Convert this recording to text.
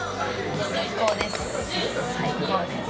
最高です。